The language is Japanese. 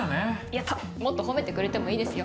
やったもっと褒めてくれてもいいですよ。